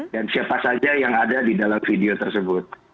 dan siapa saja yang ada di dalam video tersebut